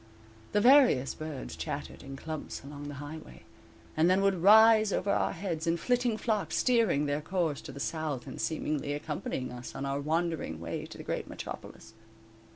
The various birds chattered in clumps along the highway, and then would rise over our heads in flitting flocks, steering their course to the south and seemingly accompanying us on our wandering way to the great metropolis.